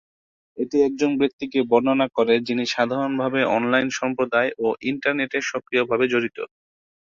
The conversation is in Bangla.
এটি একজন ব্যক্তিকে বর্ণনা করে যিনি সাধারণভাবে অনলাইন সম্প্রদায় বা ইন্টারনেটে সক্রিয়ভাবে জড়িত।